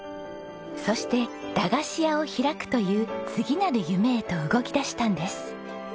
そして駄菓子屋を開くという次なる夢へと動き出したんです。